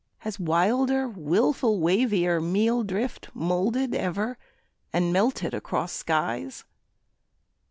has wilder, wilful wavier Meal drift moulded ever and melted across skies?